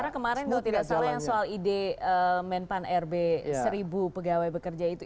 karena kemarin itu tidak salah soal ide menpan rb seribu pegawai bekerja itu